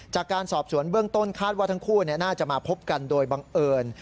จากการสอบสวนเบื้องต้นคาดว่าทั้งคู่น่าจะมาพบกันโดยบังเอิญ